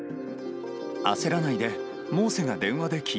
焦らないで。